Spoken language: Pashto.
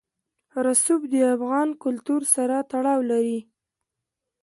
رسوب د افغان کلتور سره تړاو لري.